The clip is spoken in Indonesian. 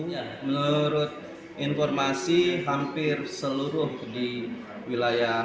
menurut informasi hampir seluruh di wilayah maluku